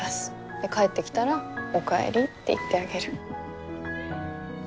で帰ってきたらおかえりって言ってあげる。